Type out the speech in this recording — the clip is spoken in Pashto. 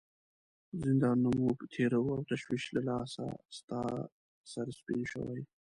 زندانونه موږ تیروو او تشویش له لاسه ستا سر سپین شوی.